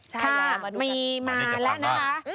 ค่ะมีมาแล้วนะคะ